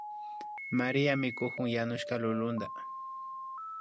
María mikukun yanushka lulunta